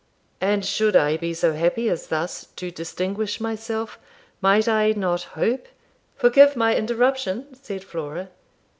'And should I be so happy as thus to distinguish myself, might I not hope ' 'Forgive my interruption,' said Flora.